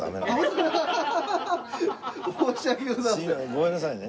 ごめんなさいね。